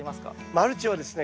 マルチはですね